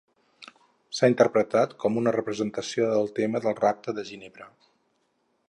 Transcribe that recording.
S'ha interpretat com una representació del tema del rapte de Ginebra.